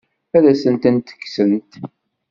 Ad asen-tent-kksent?